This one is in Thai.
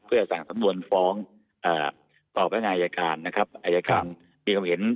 เพื่อสั่งสำนวนฟ้องต่อพนักงานอายการนะครับอายการมีความเห็น